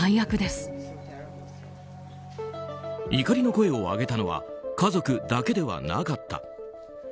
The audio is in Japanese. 怒りの声を上げたのは家族だけではなかった。